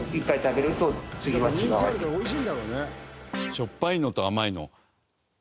しょっぱいのと甘いの。